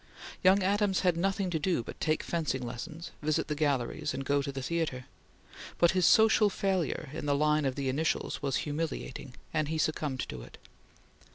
Young Adams had nothing to do but take fencing lessons, visit the galleries and go to the theatre; but his social failure in the line of "The Initials," was humiliating and he succumbed to it.